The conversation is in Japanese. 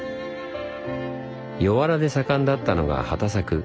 江原で盛んだったのが畑作。